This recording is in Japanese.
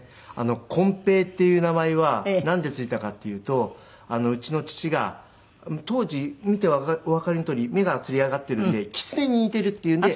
こん平っていう名前はなんでついたかっていうとうちの父が当時見ておわかりのとおり目がつり上がっているんできつねに似ているっていうんで。